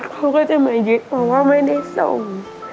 เขาก็จะมายึดเพราะว่าไม่ได้ส่ง